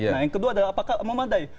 nah yang kedua adalah apakah memadai